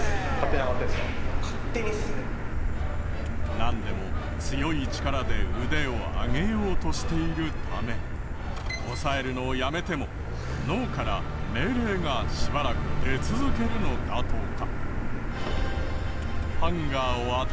なんでも強い力で腕を上げようとしているため押さえるのをやめても脳から命令がしばらく出続けるのだとか。